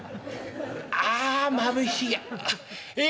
ああまぶしいや。